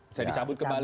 bisa dicabut kembali